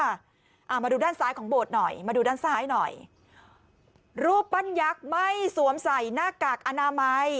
อ่ามาดูด้านซ้ายของโบสถ์หน่อยมาดูด้านซ้ายหน่อยรูปปั้นยักษ์ไม่สวมใส่หน้ากากอนามัย